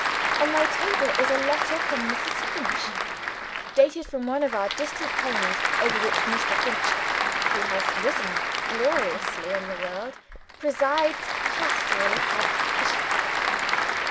On my table is a letter from Mrs. Finch, dated from one of our distant colonies over which Mr. Finch (who has risen gloriously in the world) presides pastorally as bishop.